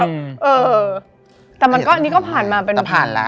เออแต่มันก็อันนี้ก็ผ่านมาเป็นผ่านแล้ว